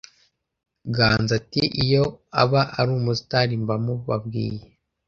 Ganzo ati “Iyo aba ari umustar mba mubabwiye